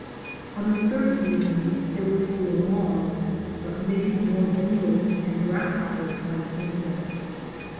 On the third evening there were fewer moths, but many more beetles and grasshopper like insects.